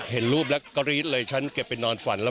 เห็นรูปลุงระกะลีสเลยก็เก็บไปนอนฝั่น